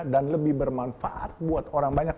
lebih bermanfaat buat orang banyak